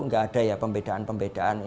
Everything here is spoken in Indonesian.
nggak ada ya pembedaan pembedaan